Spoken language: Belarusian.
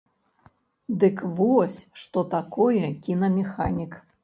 Дык вось, што такое кінамеханік.